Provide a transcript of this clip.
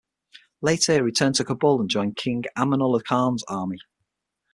Later, he returned to Kabul and joined King Amanullah Khan's army.